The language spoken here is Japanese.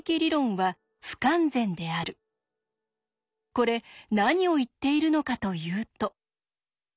これ何を言っているのかというと。